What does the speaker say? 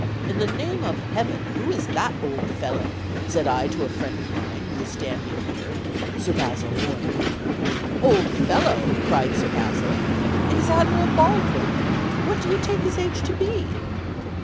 'In the name of heaven, who is that old fellow?' said I to a friend of mine who was standing near (Sir Basil Morley). 'Old fellow!' cried Sir Basil, 'it is Admiral Baldwin. What do you take his age to be?'